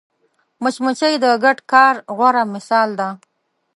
مچمچۍ د ګډ کار غوره مثال ده